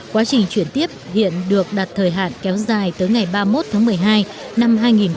quá trình chuyển tiếp hiện được đặt thời hạn kéo dài tới ngày ba mươi một tháng một mươi hai năm hai nghìn hai mươi